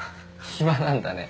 暇なんだね。